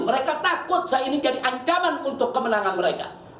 mereka takut saya ini jadi ancaman untuk kemenangan mereka